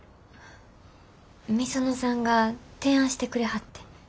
御園さんが提案してくれはってん。